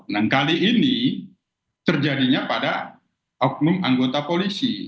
nah kali ini terjadinya pada oknum anggota polisi